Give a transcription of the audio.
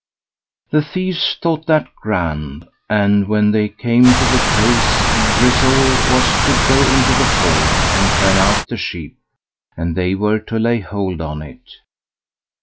The thieves thought that grand; and when they came to the place, Grizzel was to go into the fold and turn out the sheep, and they were to lay hold on it.